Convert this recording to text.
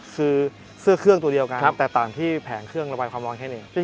คือเสื้อเครื่องตัวเดียวกันแต่ต่างที่แผงเครื่องระบายความร้อนแค่นี้